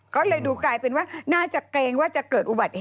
ก็เลยดูกลายเป็นว่าน่าจะเกรงว่าจะเกิดอุบัติเหตุ